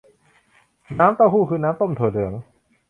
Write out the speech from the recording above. น้ำเต้าหู้คือน้ำต้มถั่วเหลือง